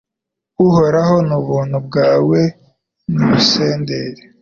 Uhoraho ubuntu bwawe nibunsendere